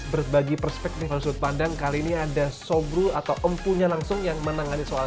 berbagi perspektif dan sudut pandang kali ini ada sobru atau empunya langsung yang menangani soal